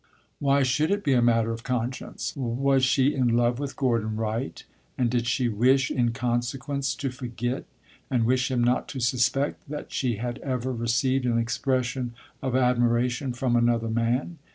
Why should it be a matter of conscience? Was she in love with Gordon Wright, and did she wish, in consequence, to forget and wish him not to suspect that she had ever received an expression of admiration from another man?